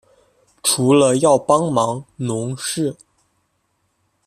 除了要帮忙农事